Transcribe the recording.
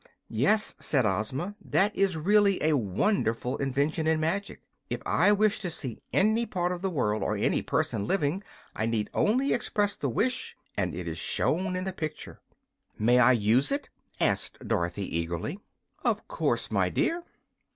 "Yes," said Ozma, "that is really a wonderful invention in magic. If I wish to see any part of the world or any person living, I need only express the wish and it is shown in the picture." "May I use it?" asked Dorothy, eagerly. "Of course, my dear."